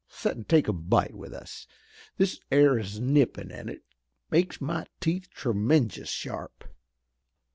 Set an' take a bite with us. This air is nippin' an' it makes my teeth tremenjous sharp."